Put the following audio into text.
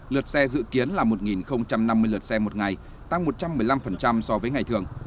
lượt xe dự kiến là một năm mươi lượt xe một ngày tăng một trăm một mươi năm so với ngày thường